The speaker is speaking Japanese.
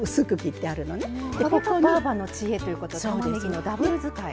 ばぁばの知恵ということたまねぎのダブル使い。